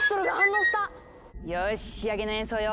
よし仕上げの演奏よ。